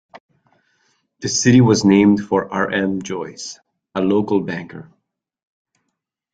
The city was named for R. M. Joice, a local banker.